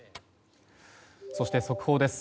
そして、速報です。